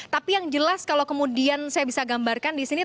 tapi yang jelas kalau kemudian saya bisa gambarkan disini